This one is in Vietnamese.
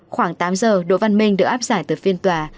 khoảng tám giờ đỗ văn minh được áp giải từ phiên tòa